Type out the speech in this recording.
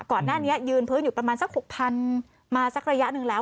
ก่อนหน้านี้ยืนพื้นอยู่ประมาณสัก๖๐๐๐มาสักระยะหนึ่งแล้ว